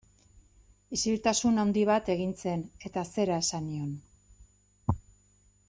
Isiltasun handi bat egin zen eta zera esan nion.